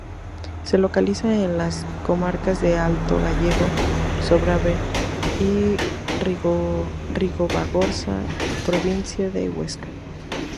Se localiza en las comarcas de Alto Gállego, Sobrarbe y Ribagorza, provincia de Huesca.